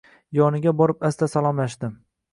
Yoniga borib asta salomlashdim.